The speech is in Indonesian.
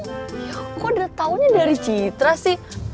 kok udah tahunya dari citra sih